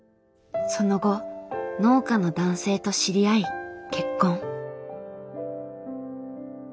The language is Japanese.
その後農家の男性と知り合い結婚。